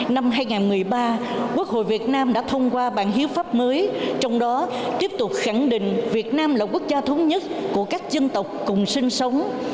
năm hai nghìn một mươi ba quốc hội việt nam đã thông qua bản hiến pháp mới trong đó tiếp tục khẳng định việt nam là quốc gia thống nhất của các dân tộc cùng sinh sống